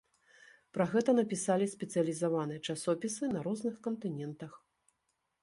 Пра гэта напісалі спецыялізаваныя часопісы на розных кантынентах.